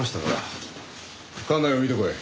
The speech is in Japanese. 館内を見てこい。